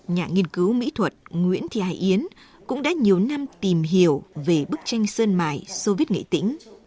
nhà nghiên cứu mỹ thuật nguyễn thị hải yến cũng đã nhiều năm tìm hiểu về bức tranh sơn mài soviet nghệ tĩnh